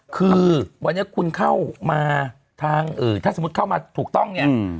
คือวันนี้คุณเข้ามาทางถ้าสมมุติเข้ามาถูกต้องเนี่ย